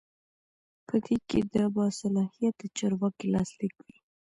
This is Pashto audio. په دې کې د باصلاحیته چارواکي لاسلیک وي.